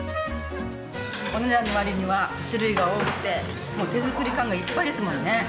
お値段の割には種類が多くて手作り感がいっぱいですもんね。